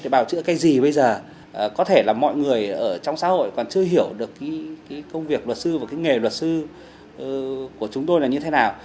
bảo chữa cái gì bây giờ có thể là mọi người ở trong xã hội còn chưa hiểu được cái công việc luật sư và cái nghề luật sư của chúng tôi là như thế nào